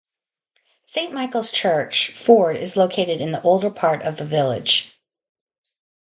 Saint Michael's Church, Ford is located in the older part of the village.